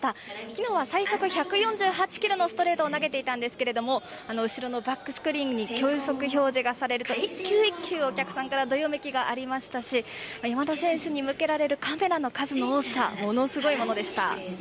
きのうは最速１４８キロのストレートを投げていたんですけれども、後ろのバックスクリーンに球速表示がされると一気に来ているお客さんからどよめきがありましたし、山田選手に向けられるカメラの数の多さ、ものすごいものでした。